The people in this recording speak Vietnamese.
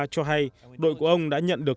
cho hay đội của ông đã nhận được